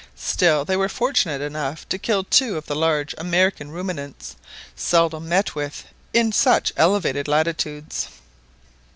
Still they were fortunate enough to kill two of the large American ruminants, seldom met with in such elevated latitudes.